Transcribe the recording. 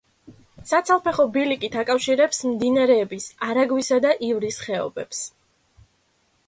საცალფეხო ბილიკით აკავშირებს მდინარების არაგვისა და ივრის ხეობებს.